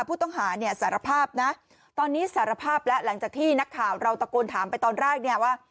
ผู้ต้องหาเนี่ยสารภาพนะตอนนี้สารภาพแล้วหลังจากที่นักข่าวเราตะโกนถามไปตอนแรกเนี่ยว่า